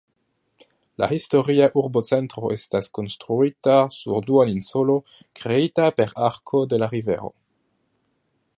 La historia urbocentro estas konstruita sur duoninsulo kreita per arko de la rivero.